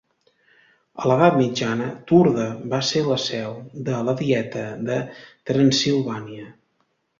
A l'Edat Mitjana, Turda va ser la seu de la Dieta de Transsilvània.